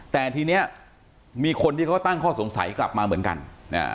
แต่ทีเนี้ยมีคนที่เขาตั้งข้อสงสัยกลับมาเหมือนกันอ่า